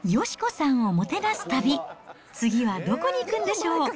佳子さんをもてなす旅、次はどこに行くんでしょう。